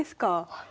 はい。